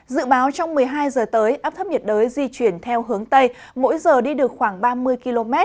dự báo trong một mươi hai giờ tới áp thấp nhiệt đới di chuyển theo hướng tây mỗi giờ đi được khoảng ba mươi km